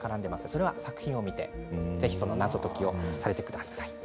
それは作品を見て謎解きをしてみてください。